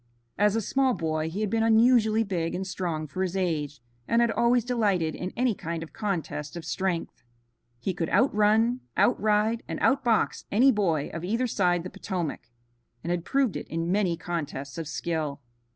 As a small boy he had been unusually big and strong for his age, and had always delighted in any kind of contest of strength. He could outrun, outride and outbox any boy of either side the Potomac, and had proved it in many contests of skill.